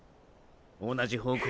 同じ方向